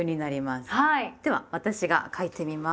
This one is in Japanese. では私が書いてみます。